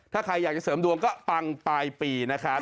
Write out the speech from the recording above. ถ้าใครอยากจะเสริมดวงก็ปังปลายปีนะครับ